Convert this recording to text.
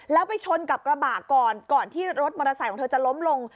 แล้วไปชนกับกระบะก่อนก่อนที่รถมอเตอร์ไซค์ของเธอจะล้มลง